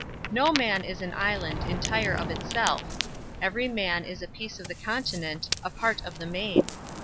No man is an island, entire of itself; every man is a piece of the continent, a part of the main.